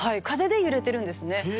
風で揺れてるんですね。